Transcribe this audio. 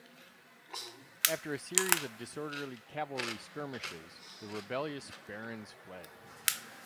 After a series of disorderly cavalry skirmishes, the rebellious barons fled.